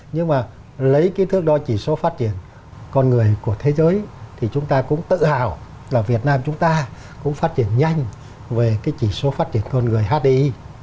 nhưng mà lấy cái thước đo chỉ số phát triển con người của thế giới thì chúng ta cũng tự hào là việt nam chúng ta cũng phát triển nhanh về cái chỉ số phát triển con người hdi